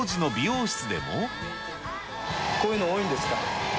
こういうの多いんですか。